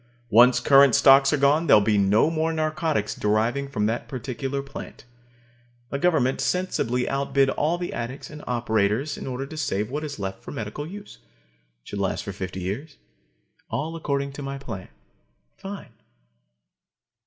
Once current stocks are gone, there'll be no more narcotics deriving from that particular plant. The government sensibly outbid all the addicts and operators in order to save what is left for medical use. It should last for fifty years. All according to my plan fine!